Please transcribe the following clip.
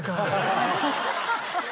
ハハハハッ。